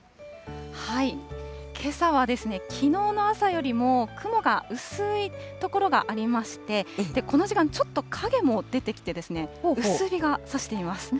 けさはきのうの朝よりも雲が薄い所がありまして、この時間、ちょっと影も出てきて、薄日がさしています。